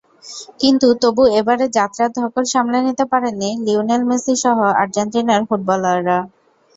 কিন্তু তবু এবারের যাত্রার ধকল সামলে নিতে পারেননি লিওনেল মেসিসহ আর্জেন্টিনার ফুটবলাররা।